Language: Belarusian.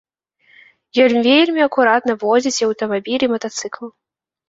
Ён вельмі акуратна водзіць і аўтамабіль, і матацыкл.